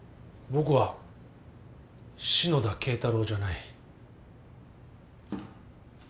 僕は篠田敬太郎じゃない。